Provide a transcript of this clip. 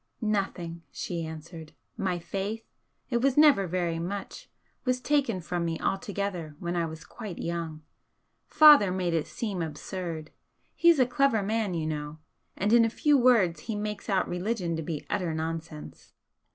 "Nothing," she answered "My faith it was never very much, was taken from me altogether when I was quite young. Father made it seem absurd. He's a clever man, you know and in a few words he makes out religion to be utter nonsense."